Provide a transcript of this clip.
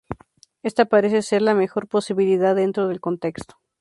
Esta parece ser la mejor posibilidad dentro del contexto.